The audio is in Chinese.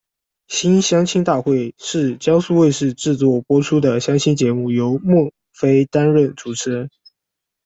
新相亲大会是江苏卫视制作、播出的相亲节目，由孟非担任主持人。